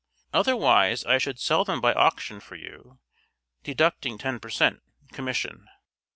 Otherwise I should sell them by auction for you, deducting ten per cent. commission."